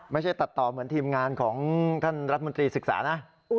ไม่ใช่ตัดต่อเหมือนทีมงานของท่านรัฐมนตรีศึกษานะ